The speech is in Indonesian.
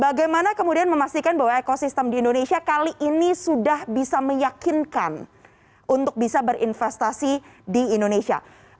bagaimana kemudian memastikan bahwa ekosistem di indonesia kali ini sudah bisa meyakinkan untuk bisa berinvestasi di indonesia